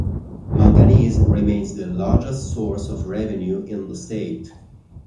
Manganese remains the largest source of revenue in the state.